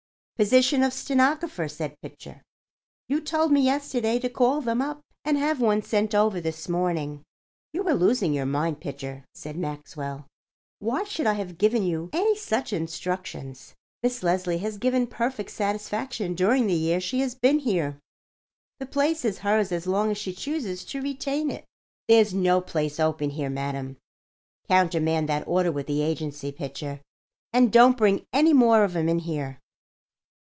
"Position of stenographer," said Pitcher. "You told me yesterday to call them up and have one sent over this morning." "You are losing your mind, Pitcher," said Maxwell. "Why should I have given you any such instructions? Miss Leslie has given perfect satisfaction during the year she has been here. The place is hers as long as she chooses to retain it. There's no place open here, madam. Countermand that order with the agency, Pitcher, and don't bring any more of 'em in here."